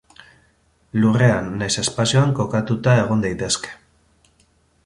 Lurrean nahiz espazioan kokatuta egon daitezke.